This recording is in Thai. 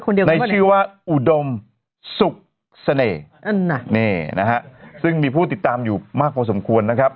ในชื่อว่าอุดมสุขเสน่ห์นั่นน่ะนี่นะฮะซึ่งมีผู้ติดตามอยู่มากพอสมควรนะครับ